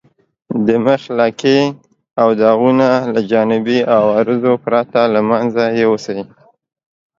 د مخ لکې او داغونه له جانبي عوارضو پرته له منځه یوسئ.